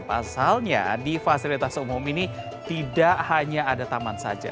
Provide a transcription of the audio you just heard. pasalnya di fasilitas umum ini tidak hanya ada taman saja